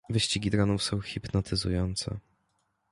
Wyścigi dronów są hipnotyzujące.